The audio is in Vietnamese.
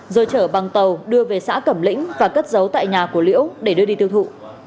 rồi chở bằng tàu đưa về xã cẩm lĩnh và cất giấu tại nhà của liễu để đưa đi tiêu thụ